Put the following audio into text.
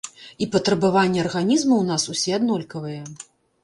І патрабаванні арганізму ў нас усе аднолькавыя.